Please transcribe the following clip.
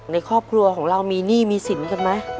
ในครอบครัวของเรามีหนี้มีสินกันไหม